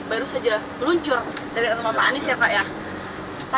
baru saja meluncur dari rumah pak